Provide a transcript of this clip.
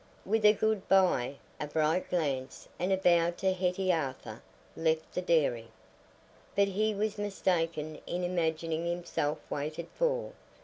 With a "good bye," a bright glance, and a bow to Hetty Arthur left the dairy. But he was mistaken in imagining himself waited for.